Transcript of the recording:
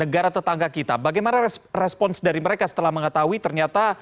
negara tetangga kita bagaimana respons dari mereka setelah mengetahui ternyata